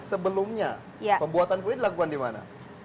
sebelumnya pembuatan kue dilakukan di mana